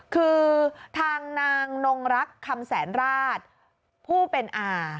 คือทางนางนงรักคำแสนราชผู้เป็นอา